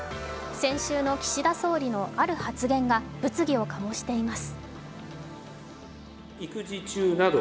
先週の岸田総理のある発言が物議を醸しています。